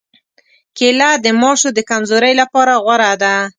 کېله د ماشو د کمزورۍ لپاره غوره ده.